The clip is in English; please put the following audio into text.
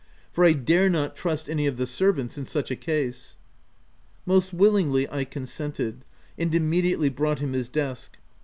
for I dare not trust any of the servants in such a case/' Most willingly I consented, and immediately brought him his desk.